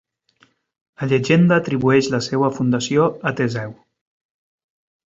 La llegenda atribueix la seva fundació a Teseu.